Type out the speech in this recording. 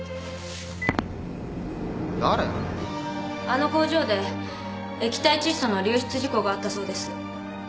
あの工場で液体窒素の流出事故があったそうです